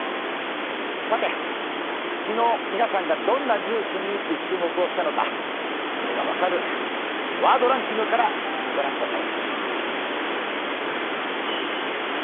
さて、昨日皆さんがどんなニュースに注目をしたのかそれが分かるワードランキングから御覧ください。